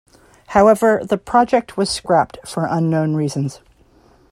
However, the project was scrapped for unknown reasons.